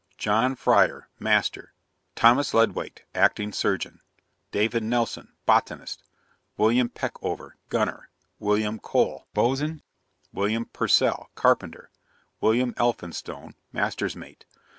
JOHN FRYER Master. THOMAS LEDWARD Acting Surgeon. DAVID NELSON Botanist. WILLIAM PECKOVER Gunner. WILLIAM COLE Boatswain. WILLIAM PURCELL Carpenter. WILLIAM ELPHINSTONE Master's Mate.